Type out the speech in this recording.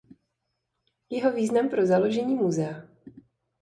Jeho význam pro založení Musea.